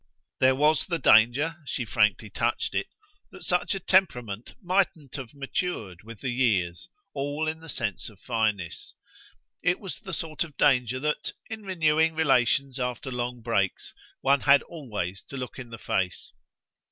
There was the danger she frankly touched it that such a temperament mightn't have matured, with the years, all in the sense of fineness: it was the sort of danger that, in renewing relations after long breaks, one had always to look in the face.